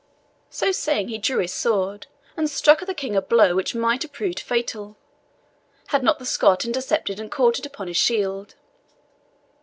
So saying, he drew his sword, and struck at the King a blow which might have proved fatal, had not the Scot intercepted and caught it upon his shield.